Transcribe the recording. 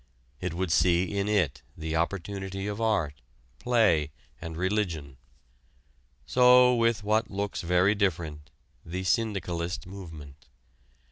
It would see in it the opportunity of art, play, and religion. So with what looks very different the "syndicalist movement."